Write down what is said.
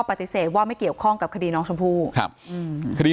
ปฏิเสธว่าไม่เกี่ยวข้องกับคดีน้องชมพู่ครับอืมคดี